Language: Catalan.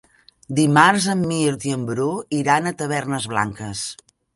Dimarts en Mirt i en Bru iran a Tavernes Blanques.